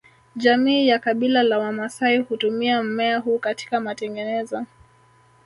Jamii ya Kabila la Wamaasai hutumia mmea huu katika matengenezo